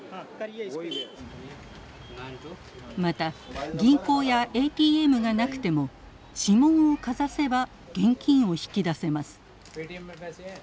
また銀行やＡＴＭがなくても指紋をかざせば現金を引き出せます。